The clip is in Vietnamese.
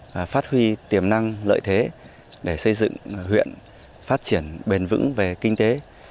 và phát huy tiềm năng lợi thế để xây dựng huyện phát triển bền vững về kinh tế